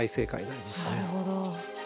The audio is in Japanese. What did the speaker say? なるほど。